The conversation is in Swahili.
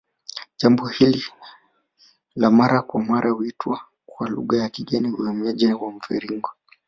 Jambo hili la mara kwa mara huitwa kwa lugha ya kigeni uhamiaji wa mviringo